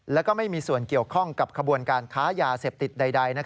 แล้วก็ไม่มีส่วนเกี่ยวข้องกับขบวนการค้ายาเสพติดใด